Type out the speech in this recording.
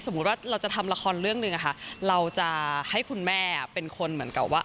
ว่าเราจะทำละครเรื่องหนึ่งอะค่ะเราจะให้คุณแม่เป็นคนเหมือนกับว่า